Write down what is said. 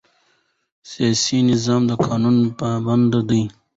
سیاسي نظام د قانون پابند دی